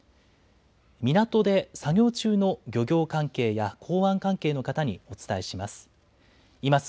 港で作業中の漁業関係や港湾関係の人にお伝えします。